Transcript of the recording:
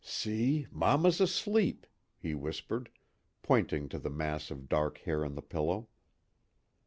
"See, mamma's asleep," he whispered, pointing to the mass of dark hair on the pillow.